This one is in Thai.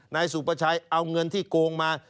นายสุประชัยเอาเงินที่โกงมา